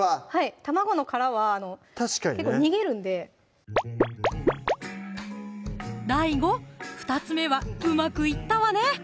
卵の殻は結構逃げるんでＤＡＩＧＯ２つ目はうまくいったわね